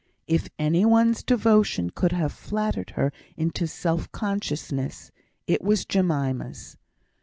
If any one's devotion could have flattered her into self consciousness, it was Jemima's.